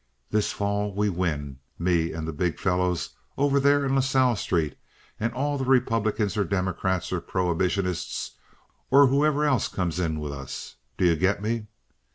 This fall we win—me and the big fellows over there in La Salle Street, and all the Republicans or Democrats or Prohibitionists, or whoever else comes in with us—do you get me?